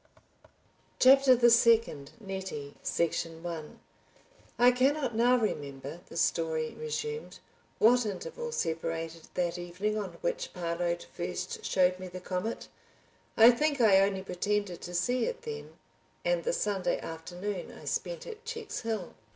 CHAPTER THE SECOND NETTIE § 1 I cannot now remember (the story resumed), what interval separated that evening on which Parload first showed me the comet—I think I only pretended to see it then—and the Sunday afternoon I spent at Checkshill.